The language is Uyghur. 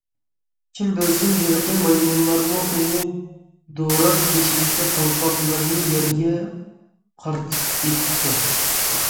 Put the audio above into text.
كىم بىلسۇن، ھېلىقى مايمۇنلارمۇ ئۇنى دوراپ بېشىدىكى قالپاقلىرىنى يەرگە قارىتىپ ئېتىپتۇ.